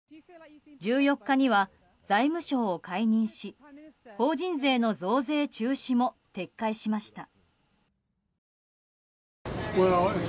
１４日には財務相を解任し法人税の増税中止も撤回しました。